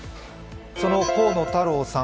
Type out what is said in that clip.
その河野太郎さん